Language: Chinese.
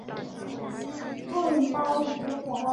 钝苞一枝黄花是菊科一枝黄花属的植物。